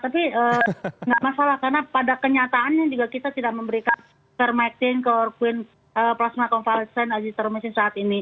tapi nggak masalah karena pada kenyataannya juga kita tidak memberikan termeksin ke orkuin plasma convalescent azithromycin saat ini